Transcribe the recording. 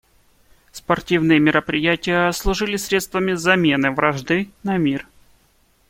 Спортивные мероприятия служили средствами замены вражды на мир.